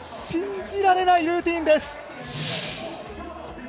信じられないルーティンです！